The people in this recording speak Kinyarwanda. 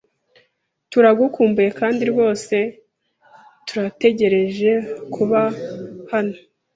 Turagukumbuye kandi rwose turategereje kuba hano.